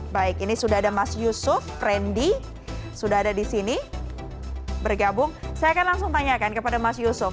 baik ini sudah ada mas yusuf rendy sudah ada di sini bergabung saya akan langsung tanyakan kepada mas yusuf